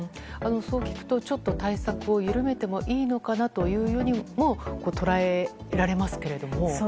そう聞くと、ちょっと対策を緩めてもいいのかなというようにも捉えられますけれども。